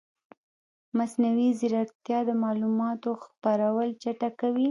مصنوعي ځیرکتیا د معلوماتو خپرول چټکوي.